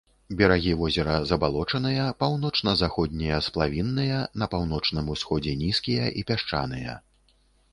Берагі возера забалочаныя, паўночна-заходнія сплавінныя, на паўночным усходзе нізкія і пясчаныя.